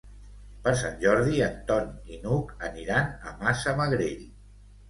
Per Sant Jordi en Ton i n'Hug aniran a Massamagrell.